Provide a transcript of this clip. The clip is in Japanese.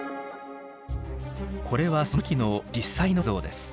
これはその時の実際の映像です。